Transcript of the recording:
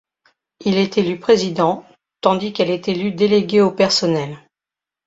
Il est élu président tandis qu'elle est élue déléguée au personnel.